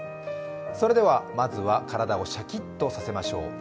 それでは、まずは体をシャキッとさせましょう。